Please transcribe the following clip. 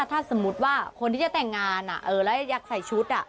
ถ้าสมมุติว่าคนที่จะแต่งงานแล้วอยากใส่ชุด